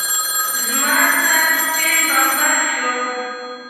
زما سر سپين بمبل شو.